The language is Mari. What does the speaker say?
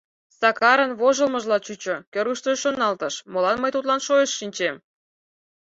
Сакарын вожылмыжла чучо, кӧргыштыжӧ шоналтыш: «Молан мый тудлан шойышт шинчем?